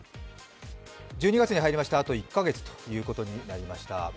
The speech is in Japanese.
１２月に入りまして、あと１カ月になりました。